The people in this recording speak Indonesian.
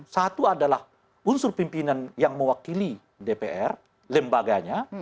satu adalah unsur pimpinan yang mewakili dpr lembaganya